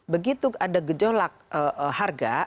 begitu ada gejolak harga